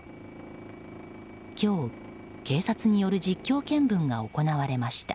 今日、警察による実況見分が行われました。